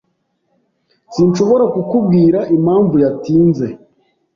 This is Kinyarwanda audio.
Sinshobora kukubwira impamvu yatinze.